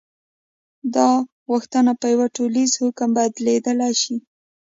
دا غوښتنه په یوه ټولیز حکم بدلېدلی شي.